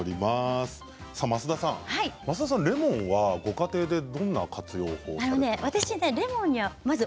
増田さん、レモンはご家庭でどんな活用法をしていますか？